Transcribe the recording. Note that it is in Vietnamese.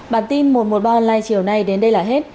bản tin một trăm một mươi ba online chiều nay đến đây là hết